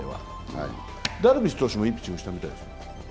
ダルビッシュ選手もいいピッチングしたみたいですよ。